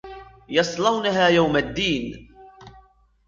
يصلونها يوم الدين